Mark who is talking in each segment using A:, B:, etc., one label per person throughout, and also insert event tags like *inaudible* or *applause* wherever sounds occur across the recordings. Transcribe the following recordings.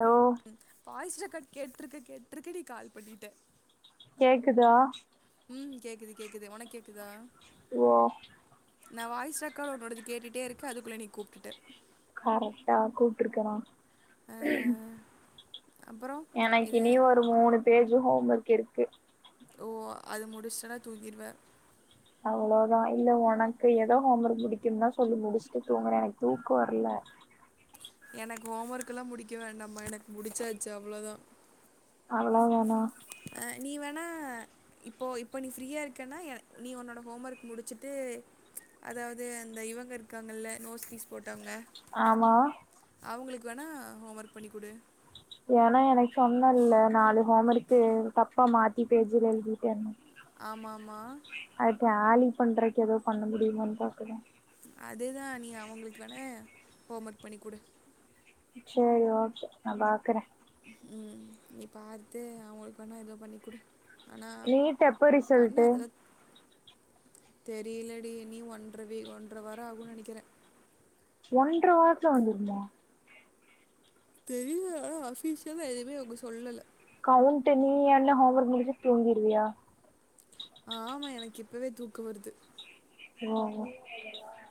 A: hello
B: ம் boys record கேட்டிருக்கு கேட்ருக்க நீ கால் பண்ணிட்ட
A: கேக்குதா
B: ம் கேக்குது கேக்குது ஒனக் கேக்குதா
A: ஓ
B: நா வாய்ஸ் ரெக்கார்ட் உன்னோடது கேட்டுட்டே இருக்கு அதுகுள்ள நீ கூப்டுட்ட
A: கரெக்டா கூப்ட்றுக்கனா
B: ஆ, அப்புறம்
A: எனக்கு
B: இது
A: இனி ஒரு மூணு பேஜு ஹோம் ஒர்க் இருக்கு
B: ஓ அது முடிச்டனா தூங்கிருவ
A: அவ்ளோதா இல்ல உனக்கு ஏதோ ஹோம் ஒர்க் புடிக்குன்னதா சொல்லி முடிச்சுட்டு தூங்கறே எனக்கு தூக்க வர்ல
B: எனக்கு ஹோம் ஒர்க்லா முடிக்க வேண்டாம எனக்கு முடிச்சாச்சு அவ்ளதா
A: அவ்ளோ தானா
B: அ நீ வேணா இப்போ இப்ப நீ ஃப்ரீயா இருக்கனா எனக் நீ ஒன்னோட ஹோம் ஒர்க் முடிச்சுட்டு அதாவ்து அந்த இவங்க இருக்காங்கல்ல நோட்ஸ் பீஸ் போட்டவங்க
A: ஆமா
B: அவுங்களுக்கு வேணா ஹோம் ஒர்க் பண்ணி குடு
A: ஏனா எனக்கு சொன்னல்லா நாலு ஹோமர்க்கு தப்பா மாத்தி பேஜில எழுதிட்டேணு
B: ஆமாமா
A: அது டேலி பண்றக்கு ஏதோ பண்ணுதுடி என்னன் பாக்குற
B: அதேதா நீ அவங்களுக்கு வேணா ஹோம் ஒர்க் பண்ணி குடு
A: சேரி ஓகே நா பாக்குற
B: ம் நீ பார்த்து அவுங்களுக்கு வேணா எதுவு பண்ணி குடு
A: நீட் எப்ப ரிசல்ட்டு
B: தெரியிலடி நீ ஒன்றவே ஒன்ற வாரோ ஆகும் நெனைக்கிற
A: ஒன்ற வாரத்ல வந்துடுமா
B: தெரியிலா அஃபிஷ்யலா எதுமே அவுங்க சொல்லல
A: கெளம்ட்ட நீ என்ன ஹோம் ஒர்க் முடிச்சிட் தூங்கிருவியா
B: ஆமா எனக் இப்பவே தூக்க வருது
A: யமா ஆமா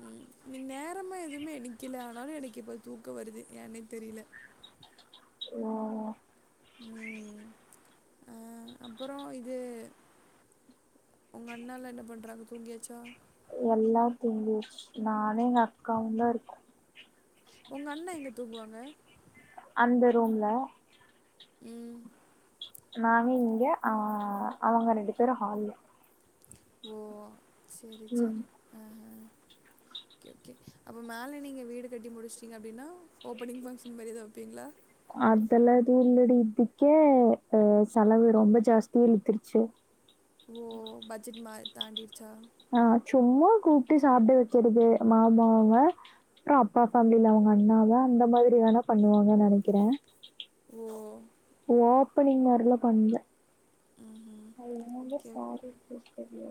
B: ம் இன்னைக் நேரமா எதுவுமே எனைக்கல ஆனாலு எனக்கு இப்போ தூக்கம் வருது ஏன்னே தெரில
A: அச்சோ
B: ம் ஆ அப்புறோ இது உங்க அண்ணால என்ன பண்றாங்க தூங்கியாச்சா
A: எல்லா தூங்கியாச் நானு எங்க அக்காவும் தா‌‌ இருக்கோ
B: உங்க அண்ண எங்க தூங்குவாங்க
A: அந்த ரூம்ல
B: ம்
A: நாங்க இங்க ஆ அவங்க ரெண்டு பேரும் ஹால்ல
B: ஓ செரி
A: ம்
B: செரி ஓகே ஓகே அப்போ மேல நீங்க வீடு கட்டி முடிஷ்ட்டீங்க அப்டின்னா ஓப்பனிங் ஃபங்க்ஷன் மாரி எதாவ் வெப்பீங்ளா
A: அதெல்லா எதுவும் இல்லடி இதுக்கே அ செலவு ரொம்ப ஜாஸ்தியா இழுத்துருச்சு
B: ஓ பட்ஜெட் மா தாண்டிருச்சா
A: ஆ சும்மா கூப்ட்டு சாப்ட வெக்குறது மாமா அவுங்க க்கு அப்பா ஃபேமிலில அவங்க அம்மாவ அந்த மாதிரி வேனா பண்ணுவாங்கன் நெனைக்கிற
B: ஓ
A: ஓப்பனிங் மார்லா பண்ல
B: ம் ஓகே
A: வேஸ்ட் பண்ணுவ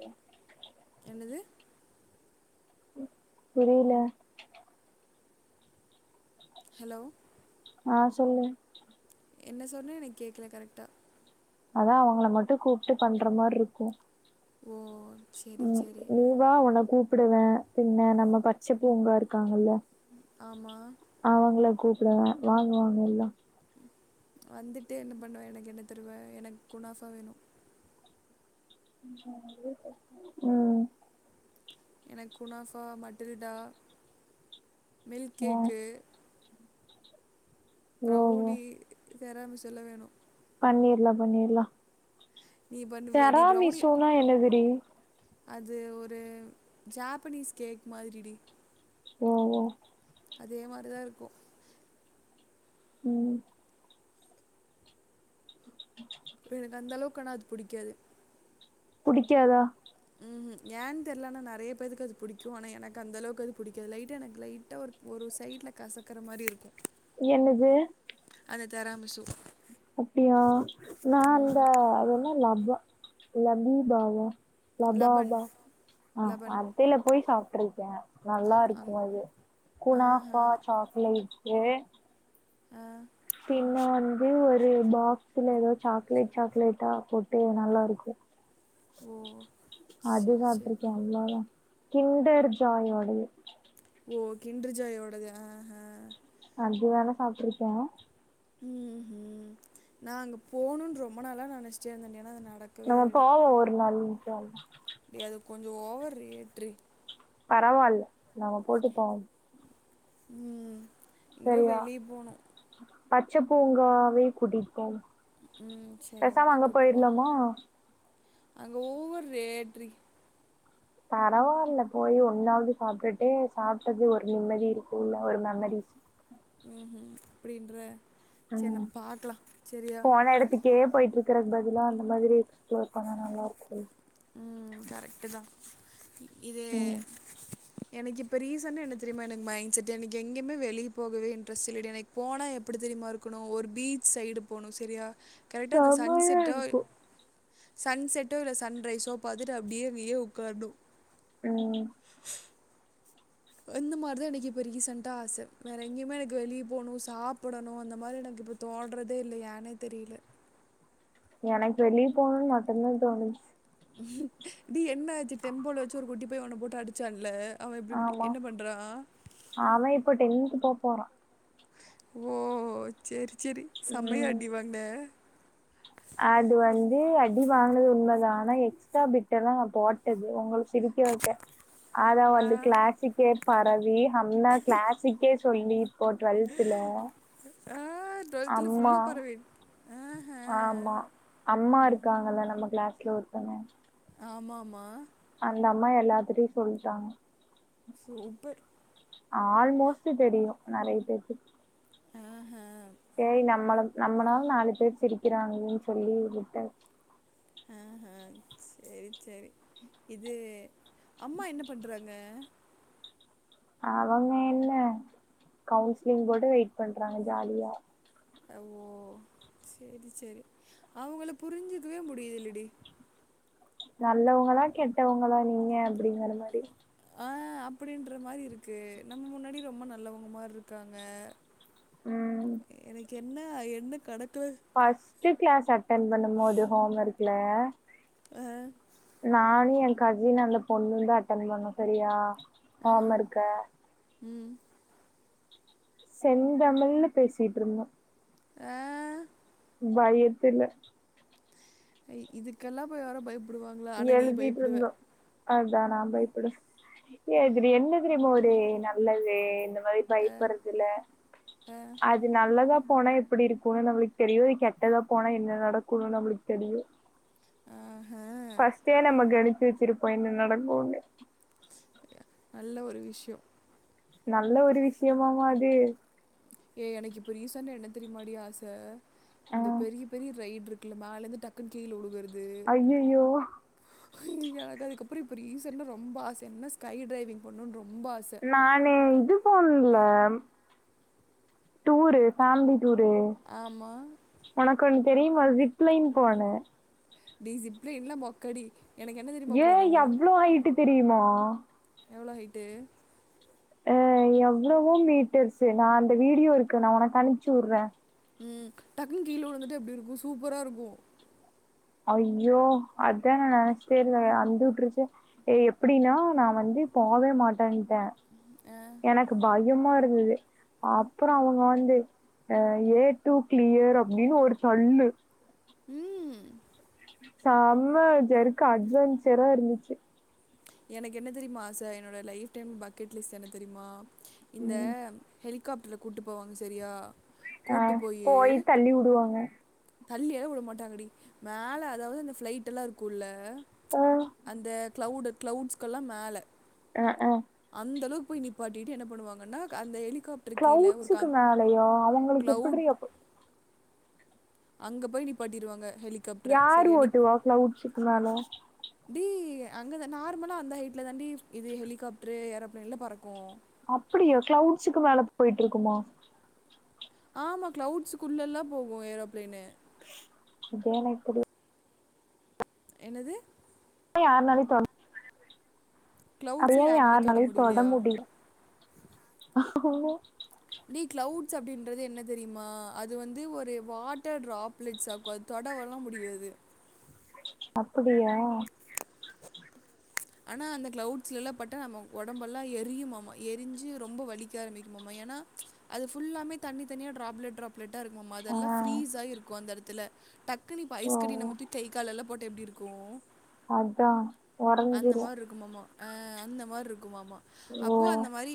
B: என்னது
A: புரியல
B: ஹலோ
A: ஆ சொல்லு
B: என்ன சொன்ன எனக் கேக்கல கரெக்டா
A: அதா அவங்கள மட்டு கூப்ட்டு பண்ற மார்ருக்கு
B: ஓ செரி செரி
A: நீ வா உன்ன கூப்புடுவ பின்ன நம்ம டச்சு ஃப்ரெண்ட்லா இருக்காங்கல்ல
B: ஆமா
A: அவங்கள கூப்புடுவ வாங்க அவுங்க எல்லா
B: வந்துட்டு என்ன பண்ணுவ எனக்கு என்ன தருவ எனக்கு குனாஃபா வேணு
A: ம்
B: எனக்கு குனாஃபா மட்டில்டா மில்க்
A: ஆ
B: கேக்கு
A: ஓ ஓ
B: பிரவுனி வெரமிசோல்ல வேணும்
A: பண்ணிர்ல்லா பண்ணிர்ல்லா
B: நீ பண்ணுவியாடி ப்ரௌனி
A: ஜராமிஷோனா என்னது டி
B: அது ஒரு ஜாப்பனீஸ் கேக் மாதிரிடி
A: ஓ ஓ
B: அதே மாரிதா இருக்கு
A: ம்
B: எனக்கு அந்த அளவுக்கு ஆனா அது புடிக்காது
A: புடிக்காதா
B: ம் ம் ஏன்னு தெரியல ஆனா நெறைய பேத்துக்கு அது புடிக்கு ஆனா எனக்கு அந்த அளவுக்கு அது புடிக்காது லைட்டா எனக்கு லைட்டா ஒரு ஒரு சைட்ல கசக்கற மாரி இருக்கு
A: என்னது
B: அந்த தெராமிசு
A: அப்பிடியா நா அந்த
B: ம்,
A: அதென்ன லபா லபீபாவா
B: லபன்
A: லபாபா ஆ
B: லபன்
A: அந் டைல்ல போய் சாப்பிட்டுருக்கே நல்லா
B: அங்
A: இருக்கு அது
B: ஆஹா
A: லைட்டு
B: ஆ
A: பின்ன வந்து ஒரு பாக்ஸ்ல எதோ சாக்லேட் சாக்லேட்டா போட் ட்டு நல்லா இருக்கு
B: ஓ
A: அது
B: சரி சரி
A: சாப்ட்ருக்கே அம்மாதா கிண்டர் ஜாயோடையே
B: ஓ கிண்ரு ஜாயோடது ஆ அஹ்
A: அது வேணா சாப்பிட்ருக்கே
B: ம் ம் நா அங்க போணுன் ரொம்ப நாளா நெனச்சிட்டே இருந்தடி ஏன்னா அது நடக்
A: நம்ம போவோ ஒரு நாள் ஜா
B: டி அது கொஞ்சோ ஓவர் ரேட்ரி
A: பரவாயில்ல நாங்க போட்டு போவோ
B: ம் இங்க
A: சரியா
B: வெளி போனு
A: பச்ச பூங்காவே புடிக்கு
B: ம் சரி
A: பேசாம
B: ஓகே
A: அங்க போயிரலாமா
B: அங்க ஓவொர் ரேட்ரி
A: பரவாயில்ல போய் ஒன்னாவது சாப்பிட்டுட்டே சாப்பிட்டது ஒரு நிம்மதி இருக்கு இல்ல ஒரு மெமரிஸ்
B: ம்ம் அப்டின்ற சரி நம்ம பாக்கலா சரியா
A: கே போயிட்டு இருக்கற பதிலா அந்த மாதிரி எக்ஸ்ப்ளோர் பண்ண நல்லா இருக்கு
B: ம் கரெக்ட்தா இது
A: ம்
B: எனக்கு இப்ப ரீசன்னா என்ன தெரியுமா எனக்கு மைண்ட் செடே எனக்கு எங்கியுமே வெளிய போகவே இன்ட்ரெஸ்ட் இல்லடி எனக் போனா எப்டி தெரியுமா இருக்கனு ஒரு பீச் சைடு போகனு சரியா கரெக்டா அந்த சன்
A: செமையா
B: செட்டோ
A: இருக்கு
B: சன் செட்டோ இல்ல சன் ரைஸோ பாத்திட்டு அப்டியே விய உக்காரணு
A: ம்
B: எந்த மாரிதா எனக்கு இப்ப ரீசன்டா ஆச வேற எங்கேயுமே எனக்கு வெளிய போணு சாப்பிடணு அந்த மாரி எனக்கு இப்ப தோல்றதே இல்ல யானே தெரில
A: எனக்கு வெளிய போணு மட்டுந்தா தோணு
B: டி என்ன ஆச்சி டெம்பள் வச்சி ஒரு குட்டி பைய ஒன்ன போட்டு அடிச்சால்ல அவ இப்பிடி இப்டி
A: ஆமா
B: என்ன பண்றா
A: அவ இப்ப டென்த்து போ போறா
B: ஓ சேரி சேரி செம்மையா
A: ம்
B: அடி வாங்கன
A: அது வந்து அடி வாங்கனது உண்மதா ஆனா எக்ஸ்ட்டா பிட்டெல்லா நா போட்டது உங்களுக் சிரிக்க வைக்க ஆதா
B: ஆ
A: வந்து கிளாசிக்கு பரவி ஹம்ண்ணா கிளாஸுக்கே சொல்லி இப்போ டுவெல்த்துல
B: ஆ டுவெல்த்துல
A: அம்மா
B: ஃபுல்லா பரவி ஆ ஹா
A: ஆமா அம்மா இருக்காங்கல்ல நம்ம கிளாஸ்ல ஒருத்தங்க
B: ஆமா ஆமா
A: அந்த அம்மா எல்லாத்திட்டயு சொல்ட்டாங்க
B: சூப்பர்
A: ஆல்மோஸ்ட் தெரியு நெறைய பேத்துக்கு
B: ஆ ஹா
A: சேரி நம்மள நம்மனால நாலு பேர் சிரிக்கிறாங்களேன் சொல்லி விட்டா
B: ஆ ஹா செரி செரி இது அம்மா என்ன பண்றாங்க
A: அவங்க என்ன கவுன்சிலிங் போட்டு வெய்ட் பண்றாங்க ஜாலியா
B: அ ஓ செரி செரி அவங்கள புரிஞ்சிக்கவே முடியலடி
A: நல்லவங்களா கெட்டவங்களா நீங்க அப்டிங்கற மாரி
B: ஆ அப்பிடின்ற மாரி இருக்கு நம்ம முன்னாடி ரொம்ப நல்லவங்க மாரி இருக்காங்க
A: ம்
B: எனக்கு என்ன என்ன கணக்குல
A: ஃபஸ்ட்டு கிளாஸ் அட்டன் பண்ணும் போது ஹோம் ஒர்க்ல
B: ஆ
A: நானு என் கசினு அந்த பொண்ணுந்தா அட்டன் பண்ணோ சரியா
B: ஆ
A: ஹோம் ஒர்க்க
B: ம்
A: செந்தமிழ்ல பேசிட்ருந்தோ
B: ஆ
A: பயத்துல
B: ஏய் இதுக்கல்லா போய் யாரு பயப்படுவாங்களா ஆனா நீ
A: எழுதிட்டு
B: பயப்படுவ
A: இருந்தோ அதா நா பயப்பட ஏ இதுல என்ன தெரியுமா ஒரு நல்லது இந்த மாரி
B: ஆ
A: பயப்படறதுல
B: ஆ
A: அது நல்லதா போனா எப்பிடி இருக்குன்னு நம்மளுக்கு தெரியு கெட்டதா போனா என்ன நடக்குன்னு நம்மளுக்கு தெரியு
B: ஆஹா
A: ஃபஸ்ட்டே நம்ம கணிச்சு வச்சிருப்போ என்ன நடக்குன்னு
B: *inaudible* நல்ல ஒரு விஷ்யோ
A: நல்ல ஒரு விஷ்யமாமா அது
B: ஏ எனக்கு இப்ப ரீசன்டா என்ன தெரியுமாடி ஆச
A: ஆ
B: இந்த பெரிய பெரிய ரைடு இருக்குல்ல மேல இருந்து டக்குன் கீழ உழுகறது
A: ஐயையோ
B: ஹை யா அத அதுக்கப்புற இப்ப ரீசன்டா ரொம்ப ஆச என்னனா ஸ்கை டைவிங் பண்ணணுன் ரொம்ப ஆச
A: நானு இது போணன்ல டூரு ஃபேமிலி டூரு
B: ஆமா
A: உனக்கொன்னு தெரியுமா ஜிப் லைன் போனே
B: டி ஜிப் லைன்லா மொக்கடி எனக்கு என்ன தெரியுமா
A: யேய்
B: போகணும்
A: எவ்ளோ ஹைட்டு தெரியுமா
B: எவ்ளோ ஹைட்டு
A: ஆ எவ்ளவோ மீட்டர்ஸு நா அந்த வீடியோ இருக்கு நா உனக்கு அனுப்ச்சு வுட்றே
B: ம் டக்குன்னு கீழ உழுந்துட்டா எப்டி இருக்கு சூப்பரா இருக்கு
A: ஐயோ அதா நா நெனைச்சிட்டே இருந்தே அந்து உட்ருச்சு ஏ எப்பிடின்னா நா வந்து போவே மாட்டேன்ட்டே
B: ஆ,
A: எனக் கு பயமா இருந்துது அப்புறோ அவங்க வந்து ஆ ஏ டு கிளியர் அப்டின்னு ஒரு தள்ளு
B: ம்
A: செம ஜெர்க்கு அட்வென்ச்சரா இருந்துச்சு
B: எனக் என்ன தெரியுமா சார் என்னோட லைஃப் டைம் பக்கெட் லிஸ்ட் என்னதெரியுமா இந்த
A: ம்
B: ஹெலிகாப்டர்ல கூட்டுபோவாங்க செரியா கூட்டுபோயி
A: ள்ளி வுடுவாங்க
B: தள்ளி எல்லா வுட மாட்டாங்கடி மேல அதாவது அந்த ஃளைட் எல்லாஇருக்குல்ல
A: ஆ
B: அந்த கிளவுடு கிளவுட்ஸ்கெல்லா மேல
A: அ ஆ
B: அந்த அளவுக் போய் நீப்பாட்டிட்டு என்ன பண்ணுவாங்கன்னா அந்த ஹெலிகாப்
A: கிளவுட்ஸுக்கு மேலயா அவங்களுக் எப்பட்ர்ரீ
B: க்ளவுட் அங்க போய் நிப்பாட்டிர்வாங்க ஹெலி
A: யாரு ஓட்டுவா க்ளௌட்ஸ்க்கு மேல
B: டி அங்கதா நார்மலா அந்த ஹைட்ல தாண்டி இது ஹெலிகாப்ட்ரு ஏரோப்பிளைன்ல பறக்கூ
A: அப்படியா கிளவுட்ஸுக்கு மேல பொயிட்டுருக்குமா
B: ஆம்மா கிளவுட்ஸு்குள்ளலா போகு ஏரோப்ளேன்னு
A: இது எனக் தெரி
B: என்னது
A: யார் நாளையு தொட அத
B: க்ளவுட்ஸை
A: ஏ
B: யாருனாலையும் தொட
A: யார்நாளையு
B: முடியலையா
A: தொடமுடியு ஓ
B: டே கிளவுட்ஸ் அப்டின்றது என்ன தெரியுமா அது வந்து ஒரு வாட்டர் டராப்லெட்ஸ் ஆக்கு அது தொடவல்லா முடியாது
A: அப்புடியா
B: ஆனா அந்த கிளவுட்லல்ல பட்ட நம்ம உடம்பெல்லா எரியுமாம்ம எரிஞ்சு ரொம்ப வலி க்க ஆரம்பிக்குமாமா ஏன்னா அது ஃபுல்லாமே தண்ணி தண்ணியா ட்ராப்லெட் ட்ராப்லெட் லெட்டா இருக்குமாம்மா அதெல்லா
A: ஆ
B: ஃபிரீஸ்ஆயி இருக்கு அந்த எடத்துல டக்குன்னு ப்ப
A: ஓ
B: ஐஸ்கட்டி நம்ம தூக் கைக்காலெல்லா போட்டா எப்டி இருக்கூ
A: அத்தா
B: அந்த மார் இருக்குமாம்மா ஆ அந்த மார் இருக்குமாம்மா
A: ஓ
B: அப்போ அந்த மாரி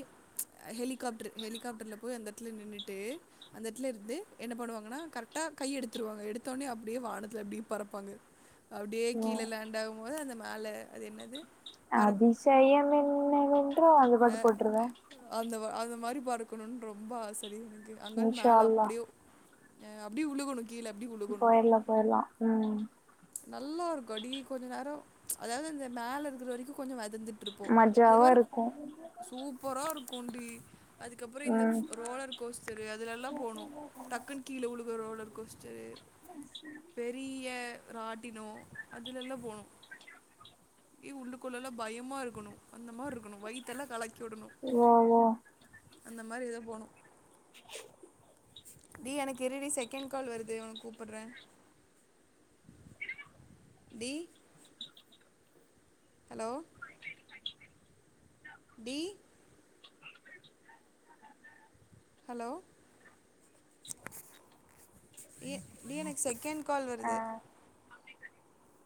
B: ஹெலிகாப்டர் ஹெலிகாப்டர்ல போய் அந்த எட்த்துல நின்னுட்டு அந்த எட்த்துல இருந்து என்ன பண்ணுவாங்கன்னா கர்ட்டா கை எடுத்துருவாங்க எடுத்தோன்னே அப்டியே வானத்துல அப்டீ பறப்பாங்க அப்டியே
A: ஓ
B: கீழே லாண்டாகும்போது அந்த மேல அதுஎன்னது
A: அதிசயம் என்னவென்றொ அந்த பாட்டு
B: அஹ்
A: போட்டுருவே
B: அந்த அந்த மாரி பறகக்கணுன்னு ரொம்ப ஆசடி எனக்கு அங்கருந்து
A: இன்ஷா
B: மேல
A: அல்லா
B: அப்புடியோ அ அப்டி உளுகுனுக் கீழ அப்டி உள்
A: போயிட்ல்லா போயிட்ல்லா உம்
B: நல்ல ஒரு கடி கொஞ்சொ நேரொ அதாவ்து அந்த மேல இருக்கிற வரைக்கு கொஞ்சொ வதந்துட் துருப்போ
A: மஜாவா
B: அதுக்கப்பற
A: இருக்கு
B: சூப்பரா இருக்கூண்டி அதுக்கப்பற இந்த
A: ம்
B: ரோலர்கோஸ்தரு அதுலல்லா போணு டக்குன் கீழ உழுக ரோலர்கோஸ் சேர் பெரிய ராட்டினொ அதுலல்லா போனொ ஏ உள்ளண்டுக்குள்ளல்லா பயமாக இருக்கணு அந்த மார்ருக்கணு வயித்தெல்லா கலக்கிவுடுணு
A: ஓ ஓ
B: அந்த மாரி ஏதா போனு டீ எனக்இருடி செகண்ட் கால் வருது உனக் கூப்பிட்றே டீ ஹலோ டி ஹலோ ஏ டி எனக்கு செகண்ட் கால் வருது
A: ஆ